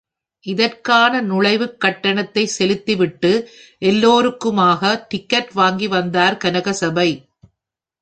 இதற்கான நுழைவுக் கட்டணத்தைச் செலுத்தி விட்டு எல்லோருக்குமாக டிக்கட் வாங்கி வந்தார் கனகசபை.